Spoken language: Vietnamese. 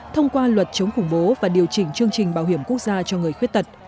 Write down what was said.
thông qua luật chống khủng bố và điều chỉnh chương trình bảo hiểm quốc gia